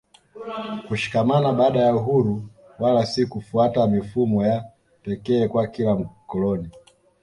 kushikamana baada ya uhuru wala si kufuata mifumo ya pekee kwa kila koloni